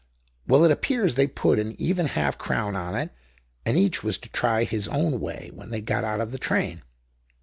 Well, it appears they put an even half crown on it, and each was to try his own way when they got out of the train.